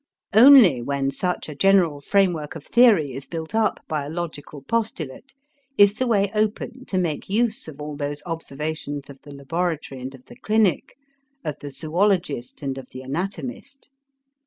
Only when such a general framework of theory is built up by a logical postulate, is the way open to make use of all those observations of the laboratory and of the clinic, of the zoölogist and of the anatomist.